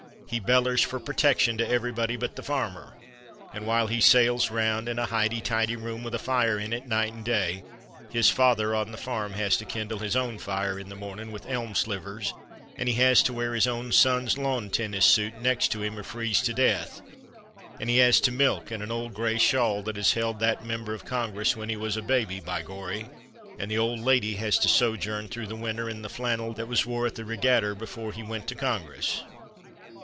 He bellers for protection to everybody but the farmer, and while he sails round in a highty tighty room with a fire in it night and day, his father on the farm has to kindle his own fire in the morning with elm slivvers, and he has to wear his own son's lawn tennis suit next to him or freeze to death, and he has to milk in an old gray shawl that has held that member of Congress when he was a baby, by gorry! and the old lady has to sojourn through the winter in the flannel that was wore at the riggatter before he went to Congress.